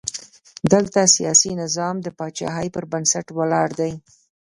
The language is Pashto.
دلته سیاسي نظام د پاچاهۍ پر بنسټ ولاړ دی.